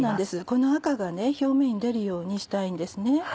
この赤が表面に出るようにしたいんですね。